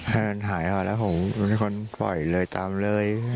ให้มันหายออกแล้วผมเป็นคนปล่อยเลยตามเลย